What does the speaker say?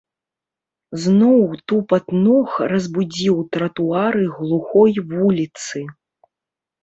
Зноў тупат ног разбудзіў тратуары глухой вуліцы.